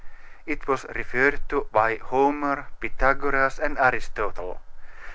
It was referred to by Homer, Pythagoras, and Aristotle.